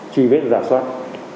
truy vết giả soát